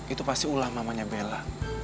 itu pasti ulah mamanya bella